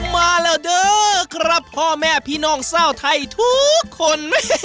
มาแล้วเด้อครับพ่อแม่พี่น้องชาวไทยทุกคน